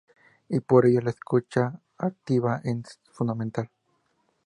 Y por ello, la escucha activa es fundamental.